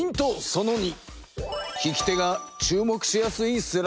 その２。